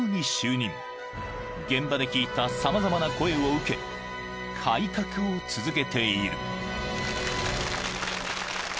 ［現場で聞いた様々な声を受け改革を続けている］